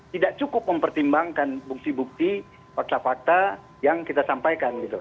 tidak cukup mempertimbangkan bukti bukti fakta fakta yang kita sampaikan gitu